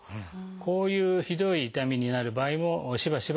こういうひどい痛みになる場合もしばしばあります。